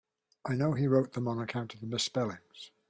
I know he wrote them on account of the misspellings.